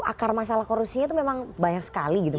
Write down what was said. akar masalah korusinya itu memang banyak sekali